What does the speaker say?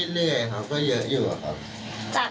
จากที่เราทำมหาลัยได้เราเฉลี่ยต่อเดือนประมาณเท่าไรคะ